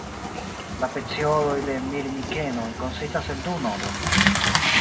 La pecioloj de Mirmikenoj konsistas el du nodoj.